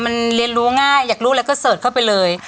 มันเรียนรู้ง่ายอยากรู้อะไรก็เสิร์ชเข้าไปเลย